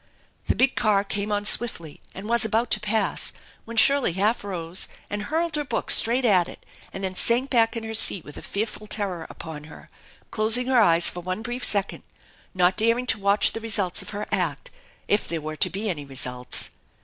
The big car came on swiftly and was about to pass, when Shirley half rose and hurled her book straight at it and then sank back in her seat with a fearful terror upon her, closing her eyes for one brief second, not daring to watch the results of her act, if there were to be any results.